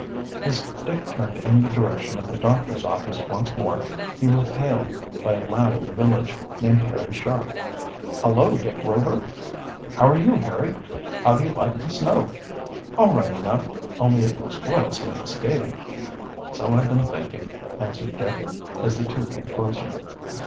As Dick turned in the direction of the doctor's office once more he was hailed by a lad of the village, named Harry Sharp. "Hullo, Dick Rover!" "How are you Harry? How do you like the snow?" "All right enough, only it will spoil some of the skating." "So I've been thinking," answered Dick, as the two came closer.